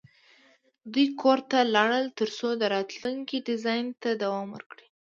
دوی کور ته لاړل ترڅو د راتلونکي ډیزاین ته دوام ورکړي